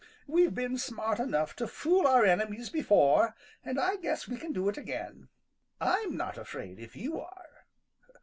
We've been smart enough to fool our enemies before, and I guess we can do it again. I'm not afraid if you are."